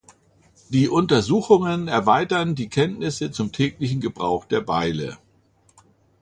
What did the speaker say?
Die Untersuchungen erweitern die Kenntnisse zum täglichen Gebrauch der Beile.